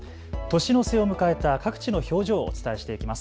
年の瀬を迎えた各地の表情をお伝えしていきます。